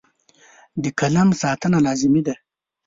د قلم ساتنه لازمي ده.